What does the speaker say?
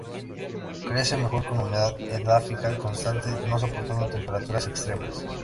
Crece mejor con humedad edáfica constante; no soportando temperaturas extremas.